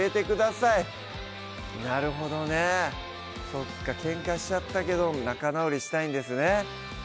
そっかけんかしちゃったけど仲直りしたいんですね